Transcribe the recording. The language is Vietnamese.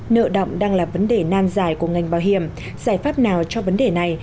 nợ động đang là vấn đề nan dài của ngành bảo hiểm giải pháp nào cho vấn đề này